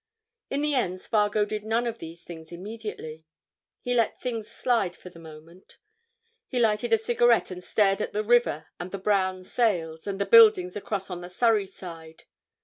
In the end Spargo did none of these things immediately. He let things slide for the moment. He lighted a cigarette and stared at the river and the brown sails, and the buildings across on the Surrey side.